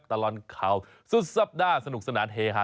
ตลอดข่าวสุดสัปดาห์สนุกสนานเฮฮา